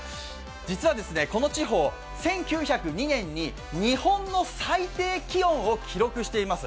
実はこの地方、１９０２年に日本の最低気温を記録しています。